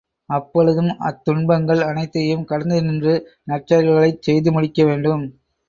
அப்பொழுதும் அத்துன்பங்கள் அனைத்தையும் கடந்து நின்று நற்செயல்களைச் செய்து முடிக்கவேண்டும்.